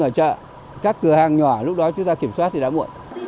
chứ không phải chờ các cửa hàng nhỏ lúc đó chúng ta kiểm soát thì đã muộn